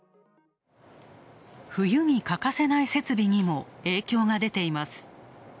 冬に欠かせない設備にも影響が出ています。